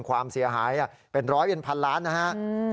ความเสียหายเป็นร้อยเป็นพันล้านนะฮะ